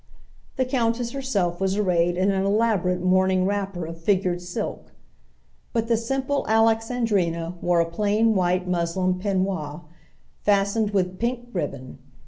The countess herself was arrayed in an elaborate morning wrapper of figured silk, but the simple Alexandrina wore a plain white muslin peignoir, fastened with pink ribbon.